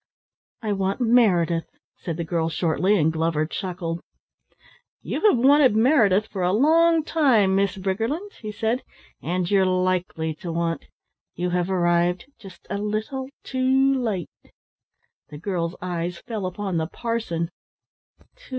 "I want Meredith," said the girl shortly, and Glover chuckled. "You have wanted Meredith for a long time, Miss Briggerland," he said, "and you're likely to want. You have arrived just a little too late." The girl's eyes fell upon the parson.